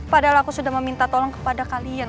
padahal aku sudah meminta tolong kepada kalian